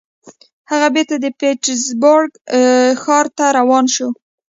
هغه بېرته د پیټرزبورګ ښار ته روان شو